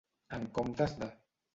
En comptes de.